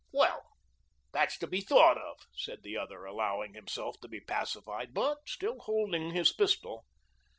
"Well, that's to be thought of," said the other, allowing himself to be pacified, but still holding his pistol.